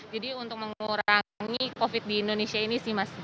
jadi untuk mengurangi covid sembilan belas di indonesia ini sih mas